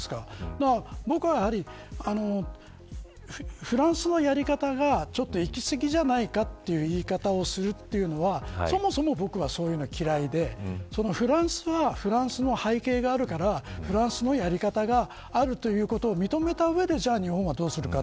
だから、僕はやはりフランスのやり方がちょっといき過ぎじゃないかという言い方をするというのはそもそも僕はそういうの嫌いでフランスはフランスの背景があるからフランスのやり方があるということを認めた上でじゃあ日本はどうするか。